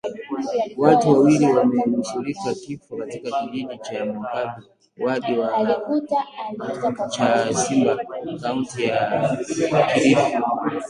Watu wawili wamenusurika kifo katika kijiji cha Mwakabi wadi ya Chasimba kaunti ya Kilifi